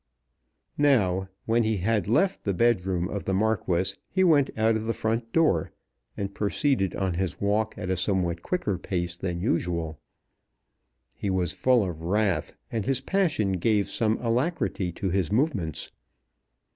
Now when he had left the bed room of the Marquis he went out of the front door, and proceeded on his walk at a somewhat quicker pace than usual. He was full of wrath, and his passion gave some alacrity to his movements.